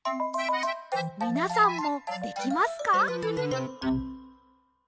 みなさんもできますか？